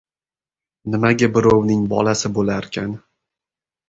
— Nimaga birovning bolasi bo‘larkan!